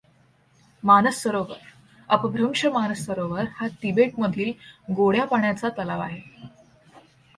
मानस सरोवर अपभ्रंश मान सरोवर हा तिबेट मधील गोड्या पाण्याचा तलाव आहे.